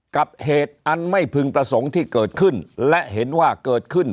กับเหตุอันไม่พึงประสงค์ที่เกิดขึ้นและเห็นว่าเกิดขึ้น